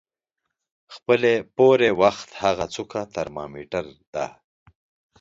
خپلې پورې وخت هغه څوکه ترمامیټر د